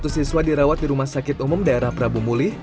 satu siswa dirawat di rumah sakit umum daerah prabu muli